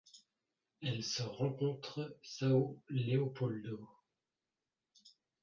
Elle se rencontre São Leopoldo.